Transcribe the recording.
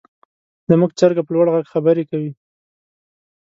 زموږ چرګه په لوړ غږ خبرې کوي.